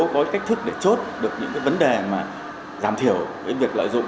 có cái cách thức để chốt được những cái vấn đề mà giảm thiểu cái việc lợi dụng